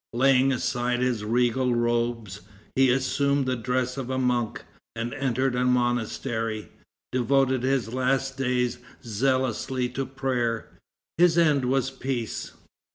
Laying aside his regal robes he assumed the dress of a monk, and entering a monastery, devoted his last days zealously to prayer. His end was peace.